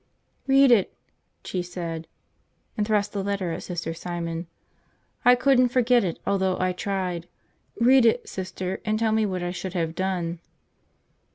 "Read it," she said, and thrust the letter at Sister Simon. "I couldn't forget it, although I tried. Read it, Sister, and tell me what I should have done."